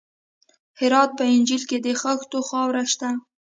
د هرات په انجیل کې د خښتو خاوره شته.